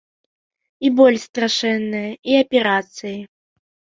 І боль страшэнная, і аперацыі.